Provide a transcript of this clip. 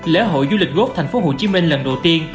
lễ hội du lịch quốc tp hcm lần đầu tiên